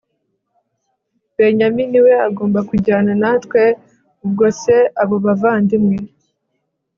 benyamini we agomba kujyana natwe ubwo se abo bavandimwe